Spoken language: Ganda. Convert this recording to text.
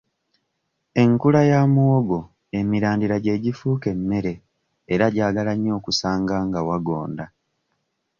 Enkula ya muwogo emirandira gye gifuuka emmere era gyagala nnyo okusanga nga wagonda.